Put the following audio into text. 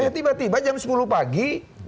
ya tiba tiba jam sepuluh pagi